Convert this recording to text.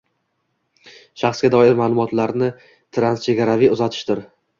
shaxsga doir ma’lumotlarni transchegaraviy uzatishdir.